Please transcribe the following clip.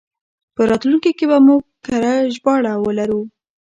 په راتلونکي کې به موږ کره ژباړې ولرو.